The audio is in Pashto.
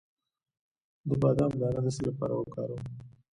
د بادام دانه د څه لپاره وکاروم؟